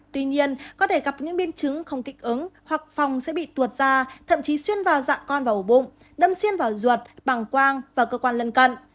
tuy nhiên có thể gặp những biên chứng không kích ứng hoặc vòng sẽ bị tuột ra thậm chí xuyên vào dạ con vào ổ bụng đâm xuyên vào ruột bảng quang và cơ quan lân cận